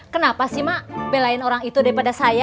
kenapa sih mak belain orang itu daripada saya